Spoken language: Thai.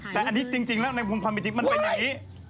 แต่อันนี้จริงแล้วในมุมความเป็นจริงมันเป็นอย่างนี้